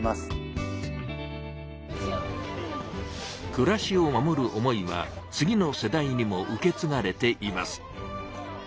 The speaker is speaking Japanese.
くらしを守る思いは次の世代にも受けつがれています。